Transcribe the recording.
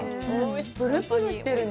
プルプルしてるね。